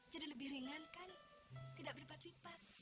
jadi lebih ringan kan tidak berlipat lipat